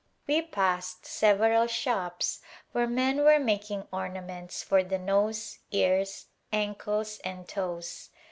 Ar7'ival m hidia We passed several shops where men were making ornaments for the nose, ears, ankles and toes.